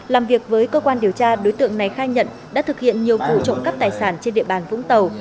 làm việc với cơ quan điều tra đối tượng này khai nhận đã thực hiện nhiều vụ trộm cắp tài sản trên địa bàn vũng tàu